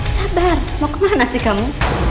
sabar mau kemana sih kamu